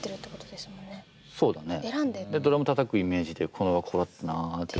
でドラムたたくイメージでこれはここだったなあって。